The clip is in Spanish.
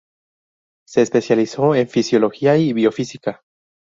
Se especializó en Fisiología y Biofísica.